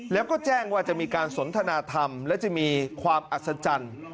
แล้วก็แจ้งว่าจะมีการสนทนาธรรมและจะมีความอัศจรรย์